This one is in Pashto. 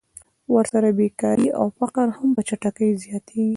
ورسره بېکاري او فقر هم په چټکۍ زیاتېږي